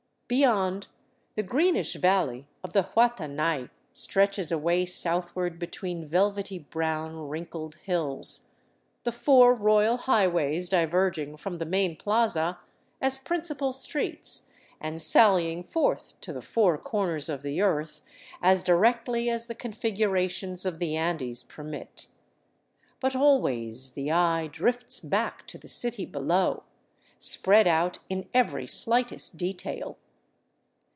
Beyond, the greenish valley of the Huatenay stretches away southward between velvety brown, wrinkled hills, the four royal highways diverg 452 THE CITY OF THE SUN ing from the main plaza as principal streets and sallying forth to the " Four Corners of the Earth " as directly as the configurations of the Andes permit. But always the eye drifts back to the city below, spread out in every slightest detail.